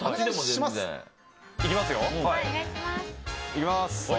行きます。